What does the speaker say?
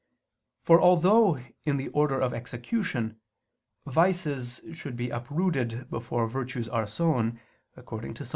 For although in the order of execution, vices should be uprooted before virtues are sown, according to Ps.